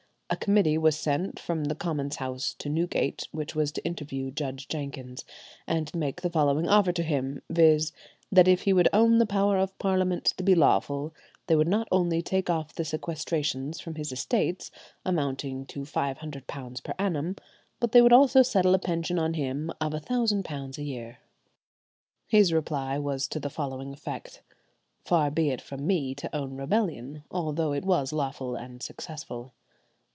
A committee was sent from "the Commons' House to Newgate, which was to interview Judge Jenkins, and make the following offer to him—viz., that if he would own the power of the Parliament to be lawful, they would not only take off the sequestrations from his estates, amounting to £500 per annum, but they would also settle a pension on him of £1,000 a year." His reply was to the following effect: "Far be it from me to own rebellion, although it was lawful and successful."